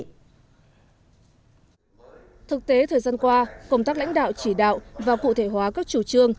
thực tế thời gian qua công tác lãnh đạo chỉ đạo và cụ thể hóa các chủ trương